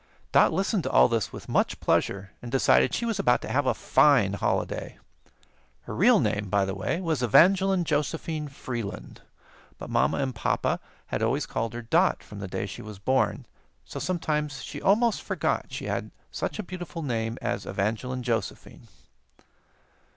Dot listened to al this with much pleasure, and decided she was about to have a fine holiday. Her real name, by the way, was Evangeline Josephine Freeland; but mamma and papa had always called her "Dot" from the day she was born, so sometimes she almost forgot she had such a beautiful name as Evangeline Josephine.